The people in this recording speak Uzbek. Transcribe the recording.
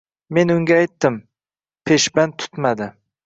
Men unga aytdim, peshband tutmadi.